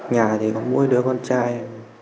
nhà thì có mỗi đứa con trai